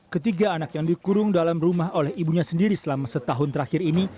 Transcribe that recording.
ketiga anak yang dikurung dalam rumah oleh ibunya sendiri selama setahun terakhir ini